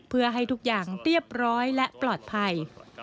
เพื่อให้ทุกอย่างเรียบร้อยและปลอดภัย